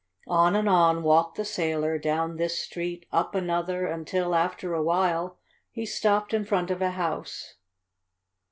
On and on walked the sailor, down this street up another until, after a while, he stopped in front of a house.